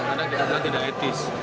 anak anak tidak etis